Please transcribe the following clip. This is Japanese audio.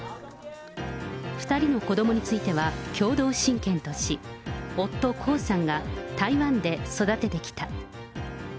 ２人の子どもについては、共同親権とし、夫、江さんが台湾で育ててきた。